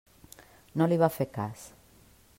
No li va fer cas.